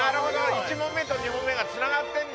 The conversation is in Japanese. １問目と２問目がつながってんだ。